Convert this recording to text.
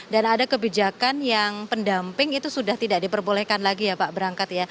dan ada kebijakan yang pendamping itu sudah tidak diperbolehkan lagi ya pak